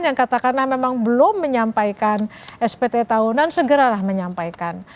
yang katakanlah memang belum menyampaikan spt tahunan segeralah menyampaikan